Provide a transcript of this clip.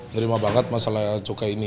nerima banget masalah cukai ini